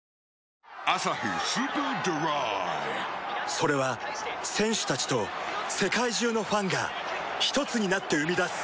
それは選手たちと世界中のファンがひとつになって生み出す